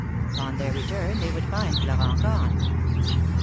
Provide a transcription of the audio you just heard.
On their return they would find Florent gone.